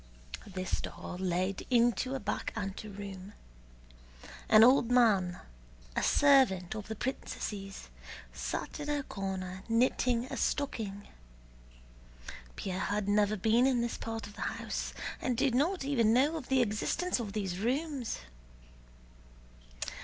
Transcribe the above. This door led into a back anteroom. An old man, a servant of the princesses, sat in a corner knitting a stocking. Pierre had never been in this part of the house and did not even know of the existence of these rooms.